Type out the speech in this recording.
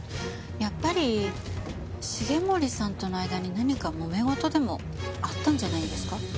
やっぱり重森さんとの間に何かもめ事でもあったんじゃないんですか？